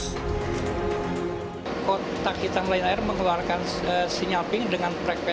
sementara kapal barona jaya i juga menurunkan transponder untuk melacak sinyal yang dipancarkan black box